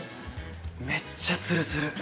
めっちゃつるつる！